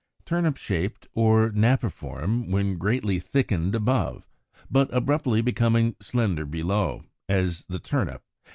84); Turnip shaped or napiform, when greatly thickened above, but abruptly becoming slender below; as the Turnip (Fig.